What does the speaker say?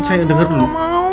saya dengar dulu